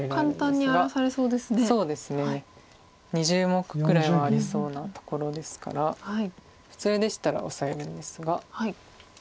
２０目くらいはありそうなところですから普通でしたらオサえるんですが。